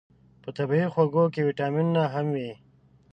په طبیعي خوږو کې ویتامینونه هم وي.